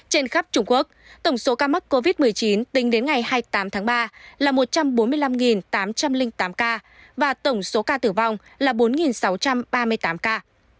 trên khắp trung quốc tổng số ca mắc covid một mươi chín tính đến ngày hai mươi tám tháng ba là một trăm bốn mươi năm tám trăm linh tám ca và tổng số ca tử vong là bốn sáu trăm ba mươi tám ca